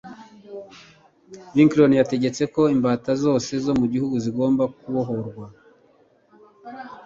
lincoln yategetse ko imbata zose zo mu gihugu zigomba kubohorwa